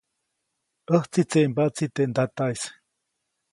ʼÄjtsi tseʼmbaʼtsi teʼ ntataʼis.